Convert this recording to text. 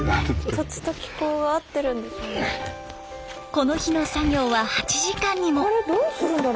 この日の作業は８時間にも。